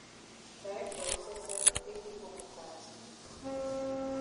Director yi sef sef take we go for party.